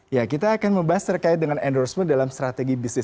ya kita akan membahas terkait dengan endorsement dalam strategi bisnis